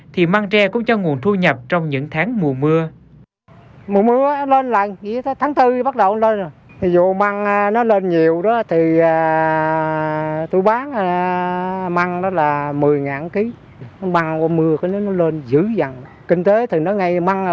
thì măng tre cũng cho nguồn thu nhập trong những tháng mùa mưa